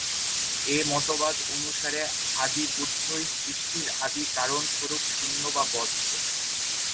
এ মতবাদ অনুসারে আদিবুদ্ধই সৃষ্টির আদি কারণস্বরূপ শূন্য বা বজ্র।